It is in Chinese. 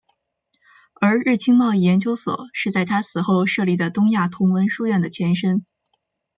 而日清贸易研究所是在他死后设立的东亚同文书院的前身。